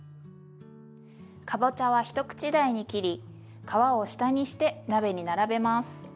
かぼちゃは一口大に切り皮を下にして鍋に並べます。